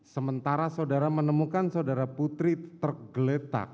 sementara saudara menemukan saudara putri tergeletak